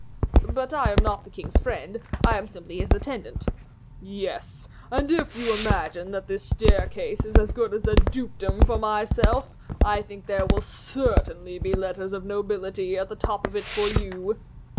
"But I am not the king's friend; I am simply his attendant." "Yes; and if you imagine that that staircase is as good as a dukedom for myself, I think there will certainly be letters of nobility at the top of it for you."